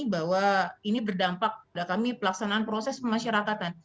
bahwa ini berdampak pada kami pelaksanaan proses pemasyarakatan